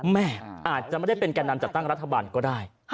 แม่อาจจะไม่ได้เป็นแก่นำจัดตั้งรัฐบาลก็ได้